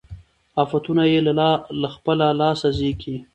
آفتونه یې له خپله لاسه زېږي